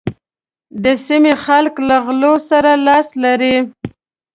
د سيمې خلک له غلو سره لاس لري.